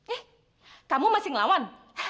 eh kamu masih ngelawan